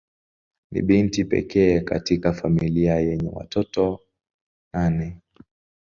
Ni binti pekee katika familia yenye watoto nane.